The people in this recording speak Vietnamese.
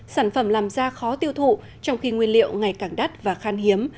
sản phẩm làm ra khó tiêu thụ trong khi nguyên liệu ngày càng đắt và khan hiếm